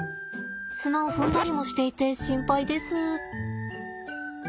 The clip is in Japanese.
砂を踏んだりもしていて心配です。